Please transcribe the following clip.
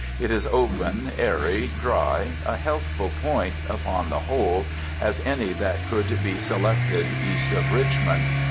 It is open, airy, dry,—a healthful point, upon the whole, as any that could be selected east of Richmond.